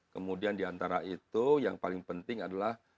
kemudian diantara itu yang paling penting adalah